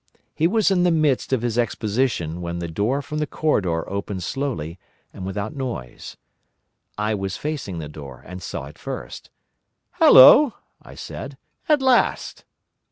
He was in the midst of his exposition when the door from the corridor opened slowly and without noise. I was facing the door, and saw it first. "Hallo!" I said. "At last!"